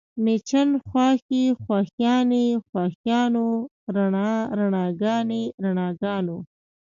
مېچن، خواښې، خواښیانې، خواښیانو، رڼا، رڼاګانې، رڼاګانو